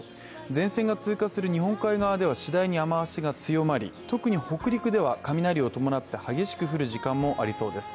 前線が通過する日本海側では次第に雨足が強まり特に北陸では雷を伴って激しく降る時間がありそうです。